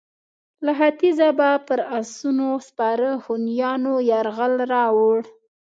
له ختیځه به پر اسونو سپاره هونیانو یرغل راووړ.